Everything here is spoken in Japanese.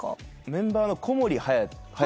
メンバーの小森隼はい